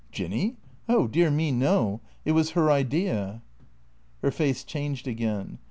" Jinny ? Oh dear me, no. It was her idea." Her face changed again.